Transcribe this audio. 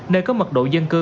nơi có mật độ dân cư